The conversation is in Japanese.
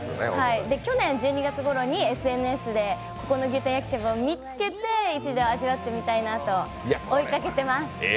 去年１２月ごろにＳＮＳで、この牛タン焼きしゃぶを見つけて一度、味わってみたいなと追いかけています。